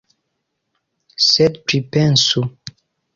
Sed pripensu.